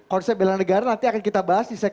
konsep bela negara nanti akan kita bahas di segmen